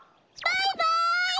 バイバイ！